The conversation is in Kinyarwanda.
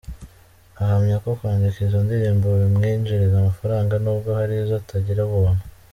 Ahamya ko kwandika izo ndirimbo bimwinjiriza amafaranga nubwo hari izo atangira ubuntu.